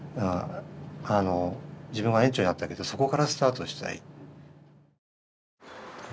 自分が園長になったけどそこからスタートしたい。